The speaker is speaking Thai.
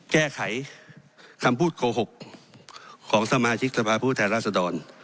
แก้ไขคำพูดโกหกของสมาชิกสภาพผู้แทนราษดร